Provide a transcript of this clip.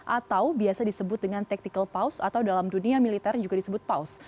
atau biasa disebut dengan tactical paus atau dalam dunia militer juga disebut paus